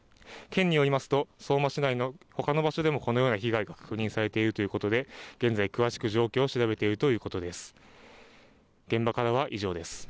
県によりますと相馬市内のほかの場所でもこのような被害が確認されているということで現在、詳しく状況を調べているということです。